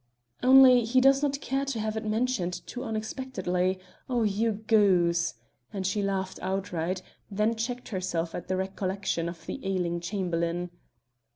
"Only he does not care to have it mentioned too unexpectedly. Oh, you goose!" And she laughed outright, then checked herself at the recollection of the ailing Chamberlain.